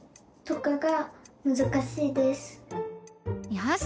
よし！